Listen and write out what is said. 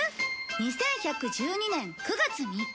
２１１２年９月３日。